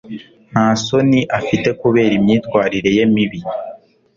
Nta soni afite kubera imyitwarire ye mibi.